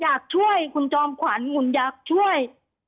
อยากช่วยคุณจอมขวัญหุ่นอยากช่วย